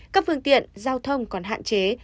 các phương tiện giao thông còn hạn chế